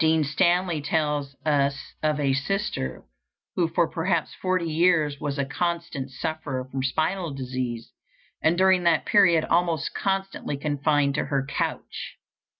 Dean Stanley tells us of a sister who for perhaps forty years was a constant sufferer from spinal disease, and during that period almost constantly confined to her couch.